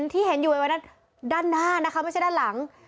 ที่เห็นอยู่ในวันนั้นด้านหน้านะคะไม่ใช่ด้านหลัง